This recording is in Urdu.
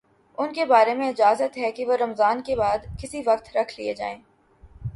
ان کے بارے میں اجازت ہے کہ وہ رمضان کے بعد کسی وقت رکھ لیے جائیں